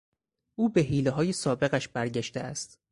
او به حیلههای سابقش برگشته است.